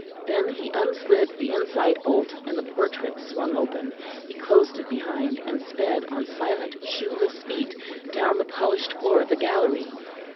Then he unslid the inside bolt, and the portrait swung open; he closed it behind, and sped on silent shoeless feet down the polished floor of the gallery.